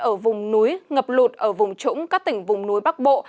ở vùng núi ngập lụt ở vùng trũng các tỉnh vùng núi bắc bộ